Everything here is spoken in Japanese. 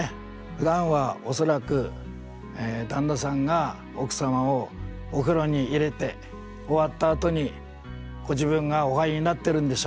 ふだんは恐らく旦那さんが奥様をお風呂に入れて終わったあとにご自分がお入りになってるんでしょう。